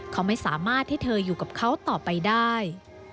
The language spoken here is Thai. เขาไม่สามารถให้เธออยู่กับเขาต่อไปได้